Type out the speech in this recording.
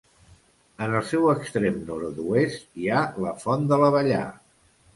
En el seu extrem nord-oest hi ha la Font de l'Abellar.